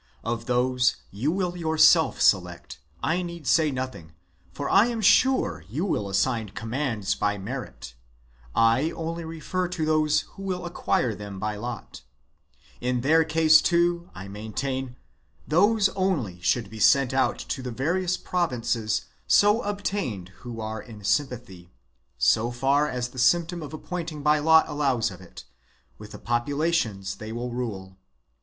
Of those _ you will yourself select, I need say nothing, for I am sure you will assign commands by merit; 1 only refer : to those who will acquire them by lot. In' their " case too, I maintain, those only should be sent out to the various provinces so obtained who are in allows of it, with the populations they will rule.